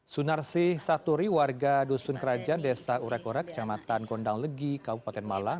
sunarsi saturi warga dusun kerajaan desa urek urek kecamatan gondang legi kabupaten malang